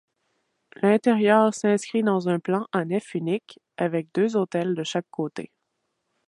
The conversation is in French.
L'intérieur s'inscrit dans un plan à nef unique avec deux autels de chaque côté.